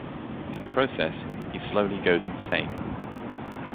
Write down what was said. In the process, he slowly goes insane.